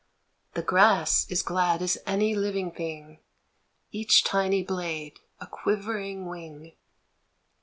The grass is glad as any living thing, Each tiny blade a quivering wing.